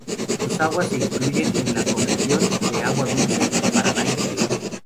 Sus aguas se incluyen en la ecorregión de agua dulce Paraná inferior.